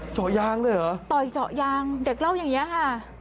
เจาะยางเลยเหรอต่อยเจาะยางเด็กเล่าอย่างเงี้ยค่ะ